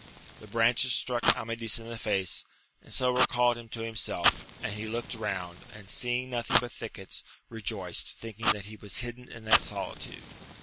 The branches struck Amadis in the face, AMADIB OF GAUL 269 and so recalled him to himself, and he looked round, and seeing nothing but thickets, rejoiced, thinking that he was hidden in that solitude.